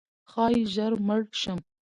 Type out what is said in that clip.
ښایي ژر مړ شم؛